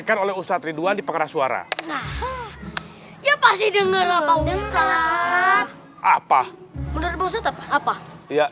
menurut pak ustadz apa